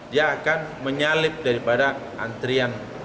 dia akan menyalip daripada antrian